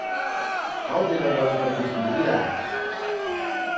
Kau tidak boleh pergi sendirian.